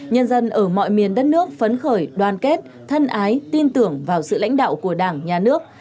nhân dân ở mọi miền đất nước phấn khởi đoàn kết thân ái tin tưởng vào sự lãnh đạo của đảng nhà nước